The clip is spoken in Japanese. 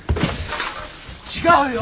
違うよ。